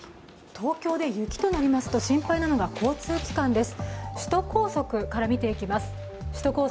東京で雪となりますと心配なのが交通機関です。